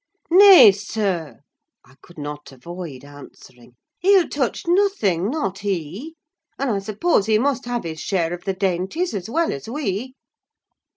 "Nay, sir," I could not avoid answering, "he'll touch nothing, not he: and I suppose he must have his share of the dainties as well as we."